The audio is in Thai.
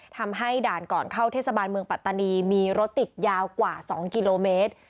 ทำให้ด่านก่อนเข้าเทศบาลเมืองปัตตานีมีรถติดยาวกว่า๒กิโลเมตร